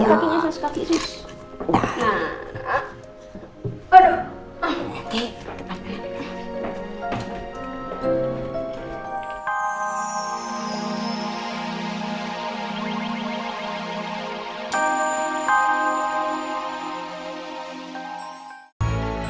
aduh kakinya seles seles